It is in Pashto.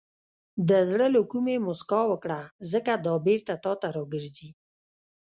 • د زړه له کومې موسکا وکړه، ځکه دا بېرته تا ته راګرځي.